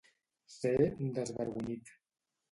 Ser un desvergonyit.